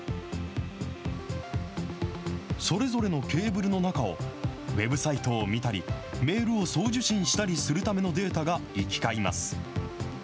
それぞれのケーブルの中を、ウェブサイトを見たり、メールを送受信したりするためのデータが行き交います。